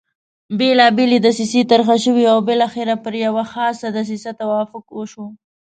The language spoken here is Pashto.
بېلابېلې دسیسې طرح شوې او بالاخره پر یوه خاصه دسیسه توافق وشو.